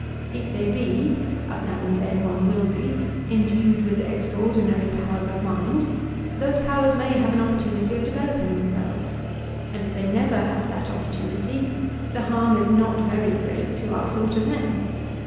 If they be, as now and then one will be, endued with extraordinary powers of mind, those powers may have an opportunity of developing themselves; and if they never have that opportunity, the harm is not very great to us or to them.